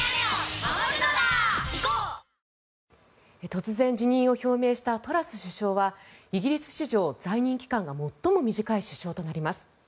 突然辞任を表明したトラス首相はイギリス史上在任期間が最も短い首相となります。